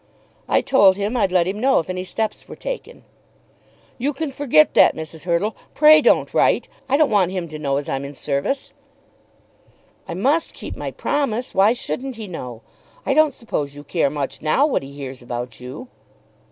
"I told him I'd let him know if any steps were taken." "You can forget that, Mrs. Hurtle. Pray don't write. I don't want him to know as I'm in service." "I must keep my promise. Why shouldn't he know? I don't suppose you care much now what he hears about you."